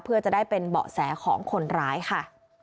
เพื่อจะได้เป็นเบาะแสของคนร้ายค่ะ